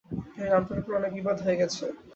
এই নামটার উপর অনেক বিবাদ হয়ে গেছে।